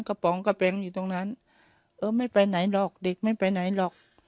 ป๋องกระแปลงอยู่ตรงนั้นเออไม่ไปไหนหรอกเด็กไม่ไปไหนหรอก